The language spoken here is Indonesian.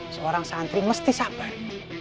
seorang santri mesti sabar